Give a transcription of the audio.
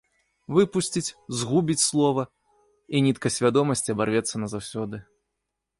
Выпусціць, згубіць слова, і нітка свядомасці абарвецца назаўсёды.